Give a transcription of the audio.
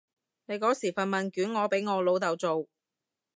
你嗰時份問卷我俾我老豆做